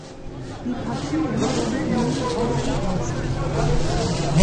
Die Partien wurden in Mülhausen ausgetragen.